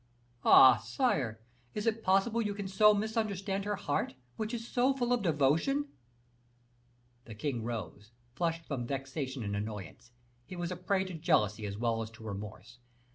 "Ah! sire, is it possible you can so misunderstand her heart, which is so full of devotion?" The king rose, flushed from vexation and annoyance; he was a prey to jealousy as well as to remorse.